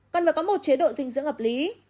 cần phải có một chế độ dinh dưỡng hợp lý